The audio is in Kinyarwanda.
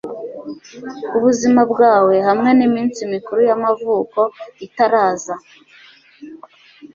ubuzima bwawe hamwe niminsi mikuru y'amavuko, itaraza